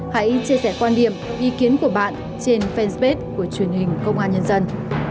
hãy chia sẻ quan điểm ý kiến của bạn trên fanpage của truyền hình công an nhân dân